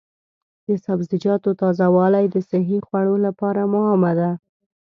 د سبزیجاتو تازه والي د صحي خوړو لپاره مهمه ده.